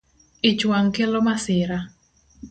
Ich wang’ kelo masira